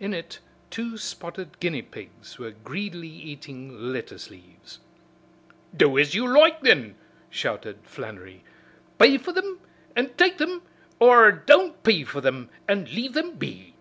In it two spotted guinea pigs were greedily eating lettuce leaves. "Do as you loike, then!" shouted Flannery, "pay for thim an' take thim, or don't pay for thim and leave thim be.